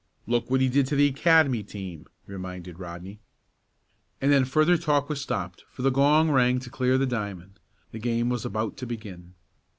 "Look what he did to the Academy team," reminded Rodney. And then further talk was stopped, for the gong rang to clear the diamond. The game was about to begin.